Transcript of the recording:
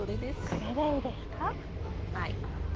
これでいいですか？